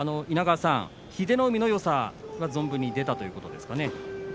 稲川さん、英乃海のよさは存分に出たということですかね。